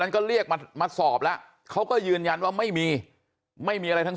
ก็เรียกมาสอบแล้วเขาก็ยืนยันว่าไม่มีไม่มีอะไรทั้ง